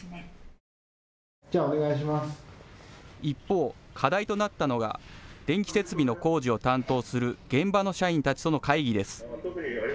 一方、課題となったのが電気設備の工事を担当する現場の社員たちとの会議です。